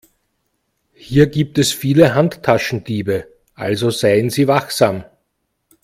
Hier gibt es viele Handtaschendiebe, also seien Sie wachsam.